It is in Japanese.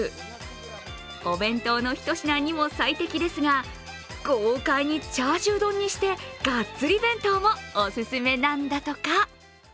お弁当の一品にも最適ですが、豪快にチャーシュー丼にしてがっつり弁当もオススメなんだとか。